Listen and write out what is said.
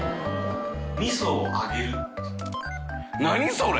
それ！